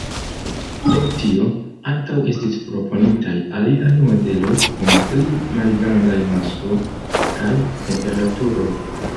Pro tio, ankaŭ estis proponitaj aliaj modeloj kun pli malgrandaj masoj kaj temperaturoj.